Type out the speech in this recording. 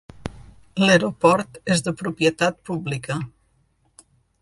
L'aeroport és de propietat pública.